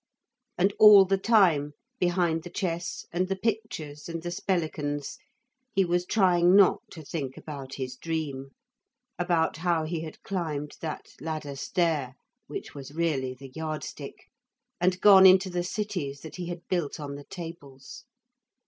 And all the time, behind the chess and the pictures and the spellicans, he was trying not to think about his dream, about how he had climbed that ladder stair, which was really the yard stick, and gone into the cities that he had built on the tables.